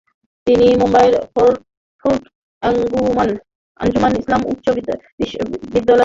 তিনি মুম্বাইয়ের ফোর্ট আঞ্জুমান ইসলাম উচ্চ বিদ্যালয়ে ইসলামী শিক্ষক হিসাবে দায়িত্ব পালন করেছিলেন।